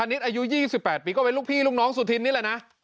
นิดอายุ๒๘ปีก็เป็นลูกพี่ลูกน้องสุธินนี่แหละนะ